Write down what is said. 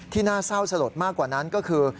น่าเศร้าสลดมากกว่านั้นก็คือ